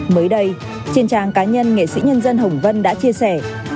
mới đây trên trang cá nhân nghệ sĩ nhân dân hồng vân đã chia sẻ